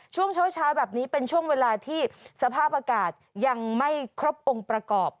ช่วงเช้าแบบนี้เป็นช่วงเวลาที่สภาพอากาศยังไม่ครบองค์ประกอบ